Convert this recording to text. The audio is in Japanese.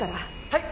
はい！